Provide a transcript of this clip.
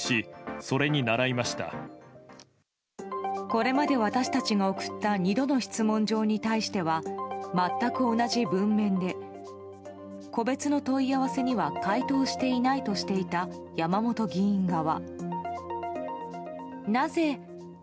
これまで私たちが送った２度の質問状に対しては全く同じ文面で個別の問い合わせには回答していないとしていた山本議員側。